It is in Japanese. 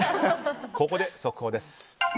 ここで速報です。